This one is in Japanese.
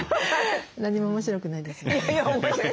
何も面白くないですね。